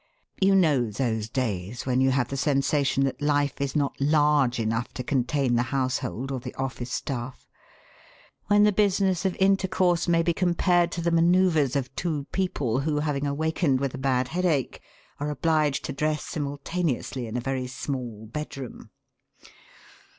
You know those days when you have the sensation that life is not large enough to contain the household or the office staff, when the business of intercourse may be compared to the manoeuvres of two people who, having awakened with a bad headache, are obliged to dress simultaneously in a very small bedroom.